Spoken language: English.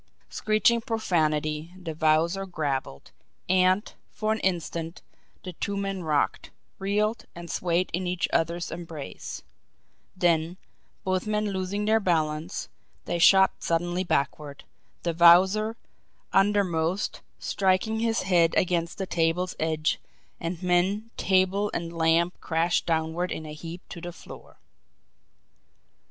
Screeching profanity, the Wowzer grappled; and, for an instant, the two men rocked, reeled, and swayed in each other's embrace; then, both men losing their balance, they shot suddenly backward, the Wowzer, undermost, striking his head against the table's edge and men, table, and lamp crashed downward in a heap to the floor.